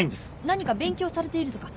何か勉強されているとか。